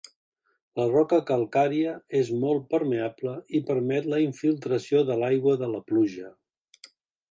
La roca calcària és molt permeable i permet la infiltració de l'aigua de la pluja.